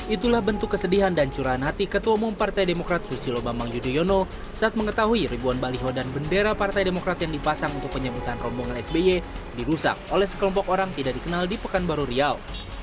itulah bentuk kesedihan dan curahan hati ketua umum partai demokrat susilo bambang yudhoyono saat mengetahui ribuan baliho dan bendera partai demokrat yang dipasang untuk penyebutan rombongan sby dirusak oleh sekelompok orang tidak dikenal di pekanbaru riau